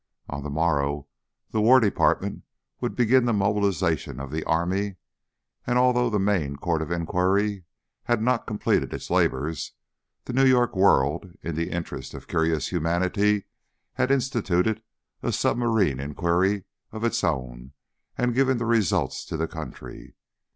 On the morrow the War Department would begin the mobilization of the army; and although the Maine Court of Inquiry had not completed its labours, the New York World, in the interest of curious humanity, had instituted a submarine inquiry of its own and given the result to the country.